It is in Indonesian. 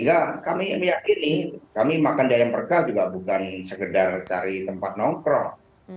nah kami yakin nih kami makan ayam terkah juga bukan sekedar cari tempat nongkrong